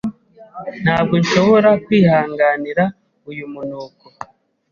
Ntabwo nshobora kwihanganira uyu munuko.